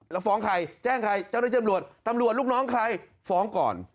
แล้วฟ้องใครแจ้งใครเจ้าหน้าที่ตำรวจตำรวจลูกน้องใครฟ้องก่อน